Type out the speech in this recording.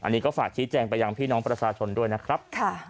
อันนี้ก็ฝากชี้แจงไปยังพี่น้องประชาชนด้วยนะครับ